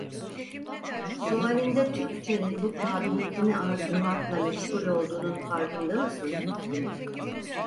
Sualinde Türkçenin bu kabiliyetini artırmakla meşgul olduğunun farkında mısın?